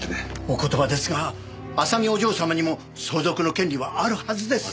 お言葉ですが麻美お嬢様にも相続の権利はあるはずです。